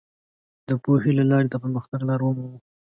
د پوهې له لارې د پرمختګ لار ومومو.